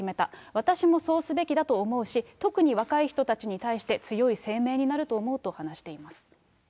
私もそうすべきだと思うし、特に若い人たちに対して強い声明になると思うと話しています。